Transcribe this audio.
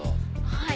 はい。